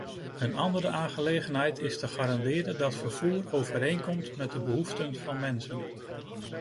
Een andere aangelegenheid is te garanderen dat vervoer overeenkomt met de behoeften van mensen.